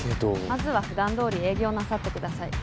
まずはふだんどおり営業なさってください。